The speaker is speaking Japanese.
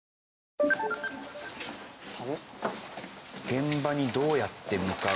現場にどうやって向かう。